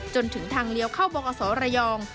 จนถึงทางเลี้ยวเข้าบอสระยอง